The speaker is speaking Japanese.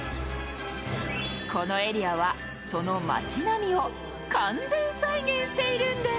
このエリアはその町並みを完全再現しているんです。